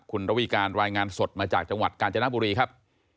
คุณระวีการรายงานสดมาจากจังหวัดกาญจนบุรีครับ